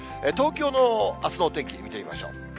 東京のあすのお天気、見てみましょう。